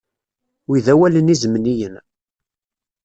Wi d awalen izemniyen.